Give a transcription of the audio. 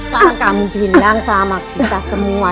sekarang kamu bilang sama kita semua